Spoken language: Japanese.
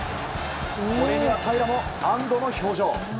これには平良も安堵の表情。